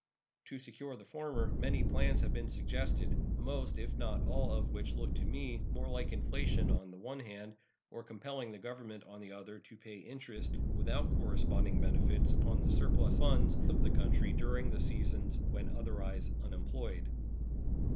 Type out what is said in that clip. To secure the former many plans have been suggested, most, if not all, of which look to me more like inflation on the one hand, or compelling the Government, on the other, to pay interest, without corresponding benefits, upon the surplus funds of the country during the seasons when otherwise unemployed.